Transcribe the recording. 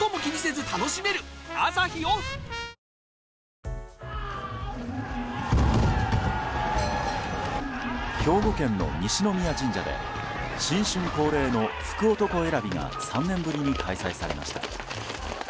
ＪＴ兵庫県の西宮神社で新春恒例の福男選びが３年ぶりに開催されました。